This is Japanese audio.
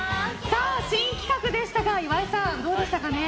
新企画でしたが岩井さん、どうでしたかね。